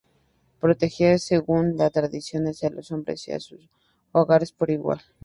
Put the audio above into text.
Protegía, según las tradiciones, a los hombres y a sus hogares por igual.